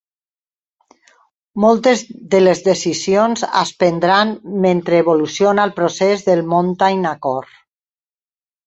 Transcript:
Moltes de les decisions es prendran mentre evoluciona el procés del Mountain Accord.